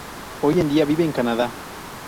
Hoy en dia vive en Canada.